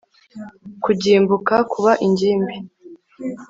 kugimbuka kuba ingimbi